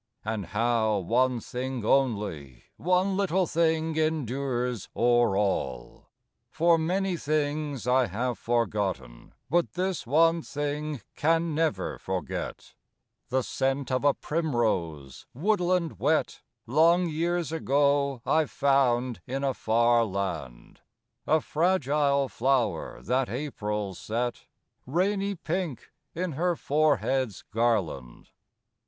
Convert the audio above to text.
and how one thing only, One little thing endures o'er all! For many things have I forgotten, But this one thing can never forget The scent of a primrose, woodland wet, Long years ago I found in a far land; A fragile flower that April set, Rainy pink, in her forehead's garland.